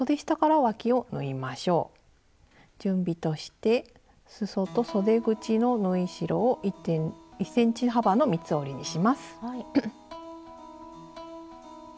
準備としてすそとそで口の縫い代を１ｃｍ幅の三つ折りにします。